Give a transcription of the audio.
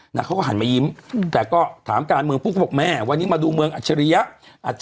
เขาก็หันมายิ้มแต่ก็ถามการเมืองปุ๊บก็บอกแม่วันนี้มาดูเมืองอัจฉริยะอาจจะ